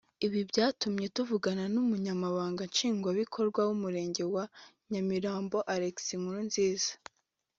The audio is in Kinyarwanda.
Ibi byatumye tuvugana n’Umunyamabanga Nshingwabikorwa w’Umurenge wa Nyamirambo Alex Nkurunziza